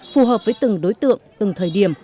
phù hợp với từng đối tượng từng thời điểm